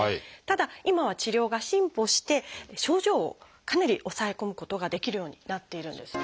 ただ今は治療が進歩して症状をかなり抑え込むことができるようになっているんです。